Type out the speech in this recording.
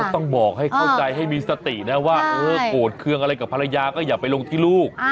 ต้องบอกให้เข้าใจให้มีสตินะว่าโกรธเครื่องอะไรกับภรรยาก็อย่าไปลงที่ลูก